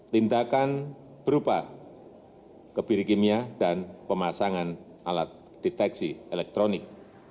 tindakan berupa kebirikimia dan pemasangan alat deteksi elektronik